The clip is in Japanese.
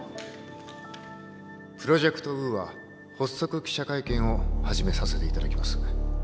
プロジェクト・ウーア発足記者会見を始めさせていただきます。